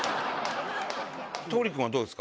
桃李君はどうですか？